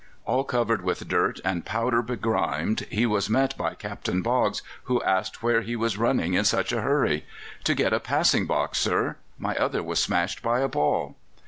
All covered with dirt and powder begrimed, he was met by Captain Boggs, who asked where he was running in such a hurry. "To get a passing box, sir. My other was smashed by a ball."